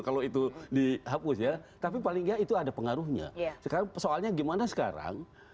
kalau itu dihapus ya